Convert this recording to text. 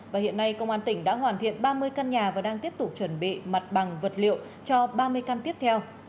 và hiện nay công an tỉnh đã hoàn thiện ba mươi căn nhà và đang tiếp tục chuẩn bị mặt bằng vật liệu cho ba mươi căn tiếp theo